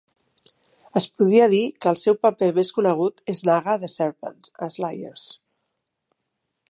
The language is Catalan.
Es podria dir que el seu paper més conegut és Naga the Serpent a "Slayers".